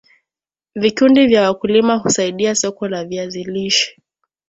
Vikundi vya wakulima husaidia Soko la viazi lishe